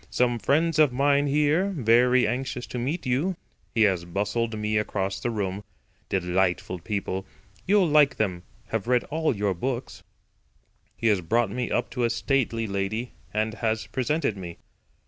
"Some friends of mine here, very anxious to meet you." He has bustled me across the room. "Delightful people. You'll like them—have read all your books." He has brought me up to a stately lady, and has presented me.